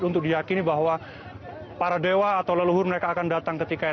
untuk diakini bahwa para dewa atau leluhur mereka akan datang ketika